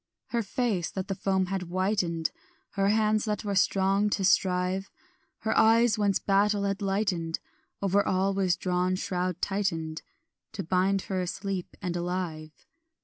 Her face that the foam had whitened, Her hands that were strong to strive, Her eyes whence battle had lightened, Over all was a drawn shroud tightened To bind her asleep and alive.